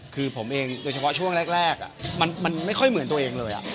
คือผมเองโดยเฉพาะช่วงแรกมันไม่ค่อยเหมือนตัวเองเลย